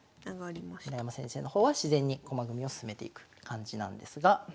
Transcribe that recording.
村山先生の方は自然に駒組みを進めていく感じなんですが。